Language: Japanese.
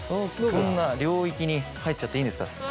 そんな領域に入っちゃっていいんですか？